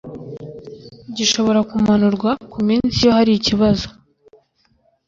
gishobora kumanurwa ku minsi iyo hari ikibazo